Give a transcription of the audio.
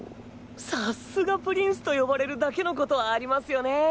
さすがプリンスと呼ばれるだけのことはありますよね。